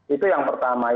itu yang pertama